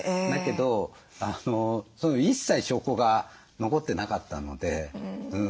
だけど一切証拠が残ってなかったので。